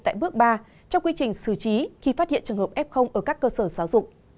tại bước ba trong quy trình xử trí khi phát hiện trường hợp f ở các cơ sở giáo dục